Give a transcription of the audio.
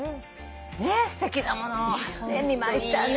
ねえすてきなものを見ましたね。